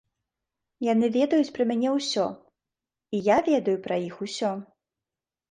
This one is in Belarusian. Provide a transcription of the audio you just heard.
Яны ведаюць пра мяне ўсё, і я ведаю пра іх усё.